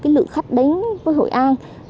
lượt khách đến với hội an